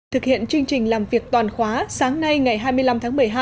thực hiện chương trình làm việc toàn khóa sáng nay ngày hai mươi năm tháng một mươi hai